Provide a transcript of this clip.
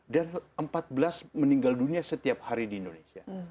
dan empat belas meninggal dunia setiap hari di indonesia